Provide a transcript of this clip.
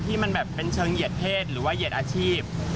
ที่เป็นเชิงเหยียดเพศหรือเหยียดอาชีพ